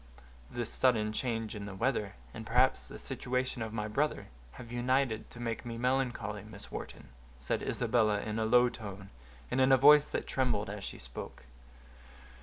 "This sudden change in the weather, and perhaps the situation of my brother, have united to make me melancholy, Miss Wharton," said Isabella, in a low tone, and in a voice that trembled as she spoke.